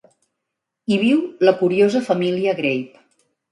Hi viu la curiosa família Grape.